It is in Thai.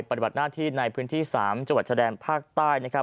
ปฏิบัติหน้าที่ในพื้นที่๓จังหวัดชะแดนภาคใต้นะครับ